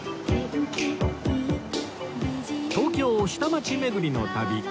東京下町巡りの旅